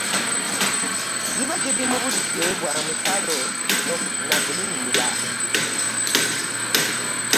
Ziba ziri mu budde bwa musalo na kulinnyira.